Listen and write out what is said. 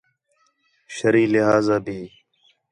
شرعی لحاظ آ بھی